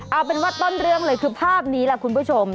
เอาเป็นว่าต้นเรื่องเลยคือภาพนี้ล่ะคุณผู้ชม